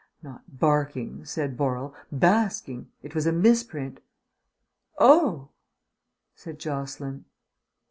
'" "Not 'barking,'" said Worrall. "'Basking.' It was a misprint." "Oh!" said Jocelyn.